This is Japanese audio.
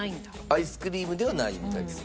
アイスクリームではないみたいです。